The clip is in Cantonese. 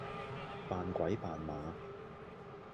扮鬼扮馬